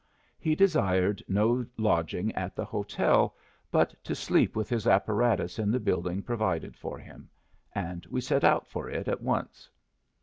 He desired no lodging at the hotel, but to sleep with his apparatus in the building provided for him; and we set out for it at once.